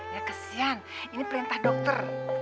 ya kesian ini perintah dokter